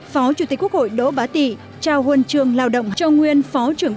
phó chủ tịch quốc hội đỗ bá tị trao huân trường lao động cho nguyên phó trưởng